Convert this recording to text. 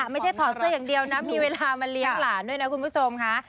ถอดเสื้ออย่างเดียวนะมีเวลามาเลี้ยงหลานด้วยนะคุณผู้ชมค่ะ